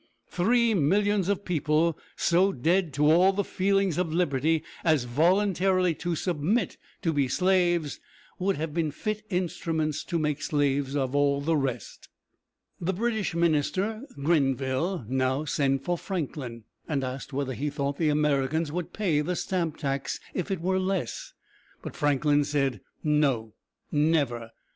Three millions of people so dead to all the feelings of liberty as voluntarily to submit to be slaves, would have been fit instruments to make slaves of all the rest." The British minister, Gren´ville, now sent for Franklin, and asked whether he thought the Americans would pay the stamp tax if it were less. But Franklin said: "No; never!